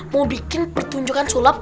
mau bikin pertunjukan sulap